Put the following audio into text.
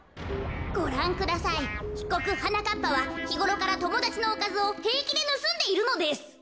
ごらんくださいひこくはなかっぱはひごろからともだちのおかずをへいきでぬすんでいるのです。